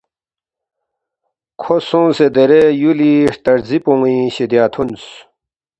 کھو سونگسے درے یُولی ہرتارزی پون٘ی شِدیا تھونس